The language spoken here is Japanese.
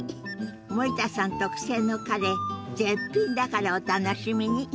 森田さん特製のカレー絶品だからお楽しみに。